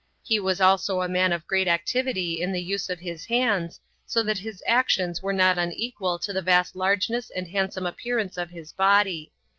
He was also a man of great activity in the use of his hands, so that his actions were not unequal to the vast largeness and handsome appearance of his body.